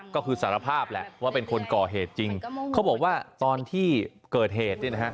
ก็คือสารภาพแหละว่าเป็นคนก่อเหตุจริงเขาบอกว่าตอนที่เกิดเหตุเนี่ยนะฮะ